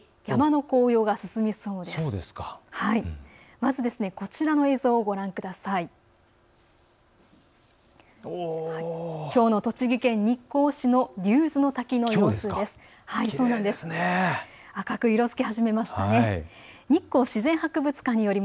まずこちらの映像をご覧ください。